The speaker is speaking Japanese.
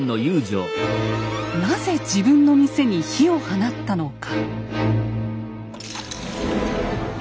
なぜ自分の店に火を放ったのか。